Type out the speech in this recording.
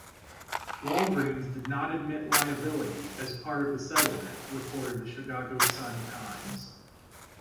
Walgreens did not admit liability, as part of the settlement," reported the "Chicago Sun-Times".